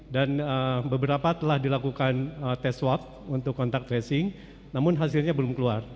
dan beberapa telah dilakukan tes swab untuk kontak tracing namun hasilnya belum keluar